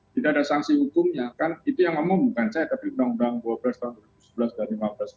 tidak ada sanksi hukumnya kan itu yang ngomong bukan saya tapi uu dua belas tahun dua ribu sebelas dan lima belas tahun dua ribu sebelas